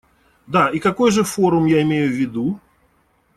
Да, и какой же форум я имею в виду?